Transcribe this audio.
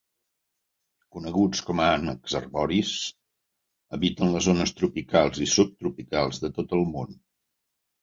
Coneguts com a ànecs arboris, habiten les zones tropicals i subtropicals de tot el món.